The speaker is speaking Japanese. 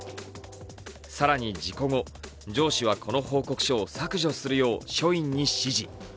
更に、事故後、上司はこの報告書を削除するよう署員に指示。